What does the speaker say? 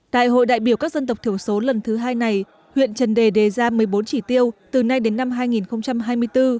đại hội đại biểu các dân tộc thiểu số lần thứ hai này huyện trần đề đề ra một mươi bốn chỉ tiêu từ nay đến năm hai nghìn hai mươi bốn